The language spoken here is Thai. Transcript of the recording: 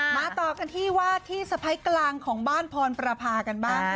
ต่อกันที่วาดที่สะพ้ายกลางของบ้านพรประพากันบ้าง